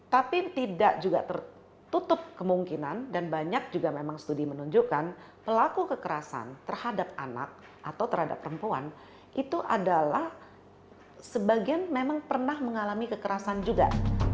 tapi tidak juga tertutup kemungkinan dan banyak juga memang studi menunjukkan pelaku kekerasan terhadap anak atau terhadap perempuan itu adalah sebagian memang pernah mengalami kekerasan juga